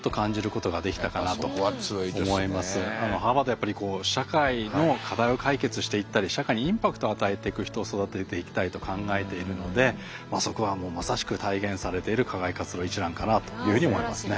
やっぱりこう社会の課題を解決していったり社会にインパクトを与えていく人を育てていきたいと考えているのでそこはもうまさしく体現されている課外活動一覧かなというふうに思いますね。